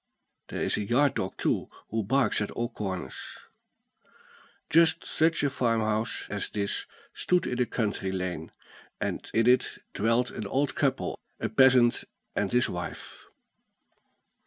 There is a yard dog too, who barks at all corners. Just such a farmhouse as this stood in a country lane; and in it dwelt an old couple, a peasant and his wife.